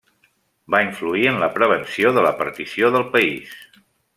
Va influir en la prevenció de la partició del país.